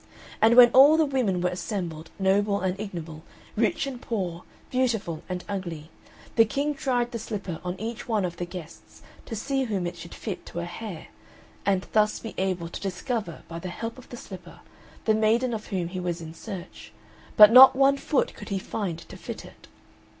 And when all the women were assembled, noble and ignoble, rich and poor, beautiful and ugly, the King tried the slipper on each one of the guests to see whom it should fit to a hair, and thus be able to discover by the help of the slipper the maiden of whom he was in search, but not one foot could he find to fit it.